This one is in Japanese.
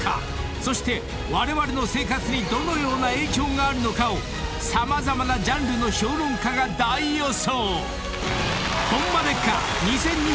［そしてわれわれの生活にどのような影響があるのかを様々なジャンルの評論家が大予想！］